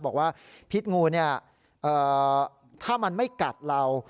บอกว่าพิษงูเนี่ยถ้ามันไม่กัดเรา